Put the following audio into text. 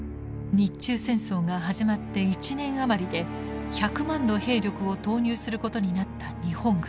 日中戦争が始まって１年余りで１００万の兵力を投入することになった日本軍。